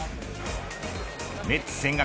メッツ千賀